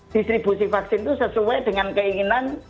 distribusi vaksin itu sesuai dengan keinginan